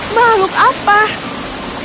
apa yang kau lakukan